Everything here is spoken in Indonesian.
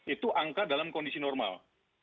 itu angka dalam kondisi normal